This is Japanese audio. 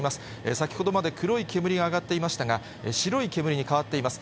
先ほどまで黒い煙が上がっていましたが、白い煙に変わっています。